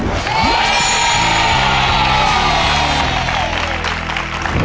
เย้